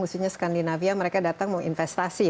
khususnya skandinavia mereka datang mau investasi